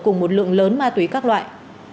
cùng một lượng lớn ma túy các loại